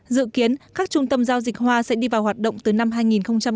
dự kiến các trung tâm giao dịch hoa sẽ đi vào hoạt động từ năm hai nghìn hai mươi